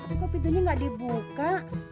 tapi kok pintunya gak dibuka